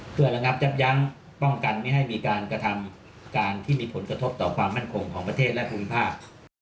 เพื่อระงับยับยั้งป้องกันไม่ให้มีการกระทำการที่มีผลกระทบต่อความมั่นคงของประเทศและภูมิภาค